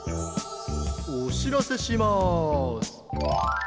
おしらせします。